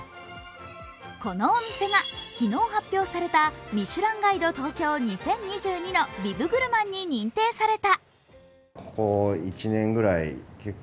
このお店が昨日発表された「ミシュランガイド東京２０２２」のビブグルマンに認定された。